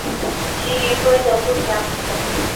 其余规则不详。